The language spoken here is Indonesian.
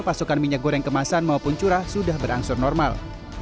pasokan minyak goreng kemasan maupun curah sudah berangsur normal